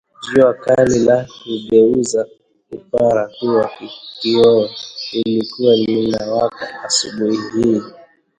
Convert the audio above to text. Jua kali la kugeuza upara kuwa kioo lilikuwa linawaka asubuhi hii